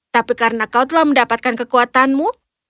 tapi karena kau telah mendapatkan kekuatanmu